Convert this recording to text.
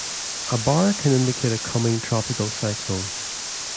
A bar can indicate a coming tropical cyclone.